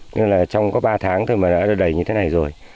nên là trong có ba tháng thôi mà đã đầy như thế này rồi